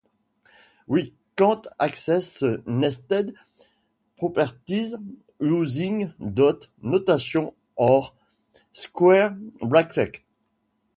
We can access nested properties using dot notation or square brackets.